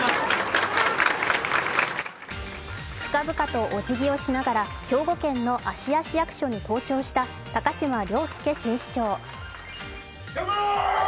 深々とおじぎをしながら兵庫県の芦屋市役所に登庁した高島崚輔新市長。